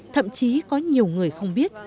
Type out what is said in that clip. thậm chí có nhiều người không biết